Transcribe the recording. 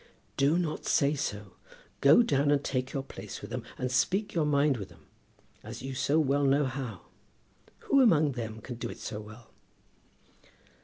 "Do not say so. Go down and take your place with them, and speak your mind with them, as you so well know how. Who among them can do it so well?"